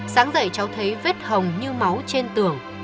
sáng dậy cháu thấy vết hồng như máu trên tường